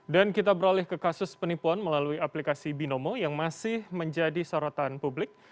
dan kita beralih ke kasus penipuan melalui aplikasi binomo yang masih menjadi sorotan publik